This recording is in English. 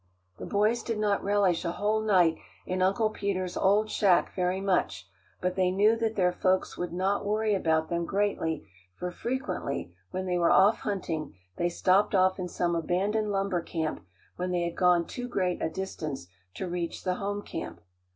The boys did not relish a whole night in Uncle Peter's old shack very much, but they knew that their folks would not worry about them greatly for frequently, when they were off hunting, they stopped off in some abandoned lumber camp, when they had gone too great a distance to reach the home camp.